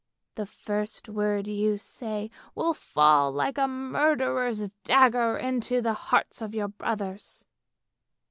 The first word you say will fall like a murderer's dagger into the hearts of your brothers.